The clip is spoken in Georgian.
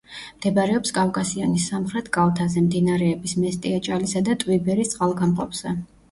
მდებარეობს კავკასიონის სამხრეთ კალთაზე, მდინარეების მესტიაჭალისა და ტვიბერის წყალგამყოფზე.